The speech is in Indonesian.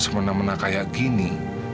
semena mena kayak gini